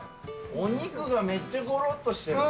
お肉がめっちゃごろっとしてる。